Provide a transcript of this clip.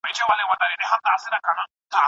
د دوی ترمنځ تش د جانان او د ګلاب جنګ دی